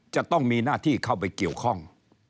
จะต้องมีหน้าที่เข้าไปเกี่ยวข้อง